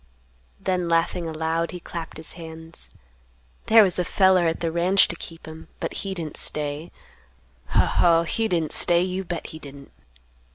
Then laughing aloud, he clapped his hands; "There was a feller at the ranch to keep 'em, but he didn't stay; Ho! Ho! he didn't stay, you bet he didn't.